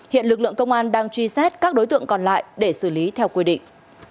hiện lực lượng công an đang truy xét các đối tượng còn lại để xử lý theo quy định